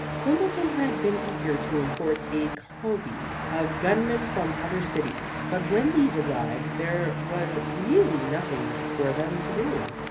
Quimbleton had been eager to import a covey of gunmen from other cities, but when these arrived there was really nothing for them to do.